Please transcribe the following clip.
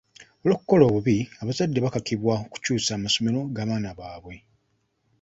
Olw'okukola obubi, abazadde bakakibwa okukyusa amasomero g'abaana baabwe.